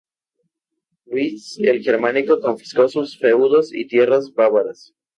Luis el Germánico confiscó sus feudos y tierras bávaras.